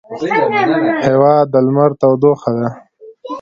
هېواد د لمر تودوخه ده.